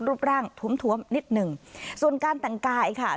รูปร่างถวมนิดนึงส่วนการต่างกายค่ะ